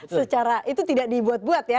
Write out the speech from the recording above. secara itu tidak dibuat buat ya